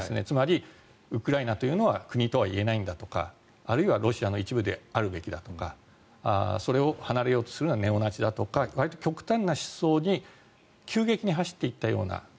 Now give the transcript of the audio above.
つまりウクライナというのは国とは言えないんだとかあるいはロシアの一部であるべきだとかそれを離れようとするのはネオナチだとかわりと極端な思想に急激に走っていったような。